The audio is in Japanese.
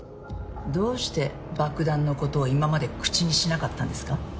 どうして爆弾の事を今まで口にしなかったんですか？